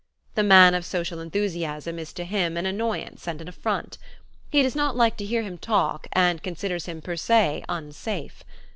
The man of social enthusiasm is to him an annoyance and an affront. He does not like to hear him talk and considers him per se "unsafe."